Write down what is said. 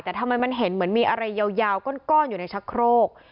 แต่ทำไมมันเห็นเหมือนมีอะไรยาวก้อนอยู่ในชะโครก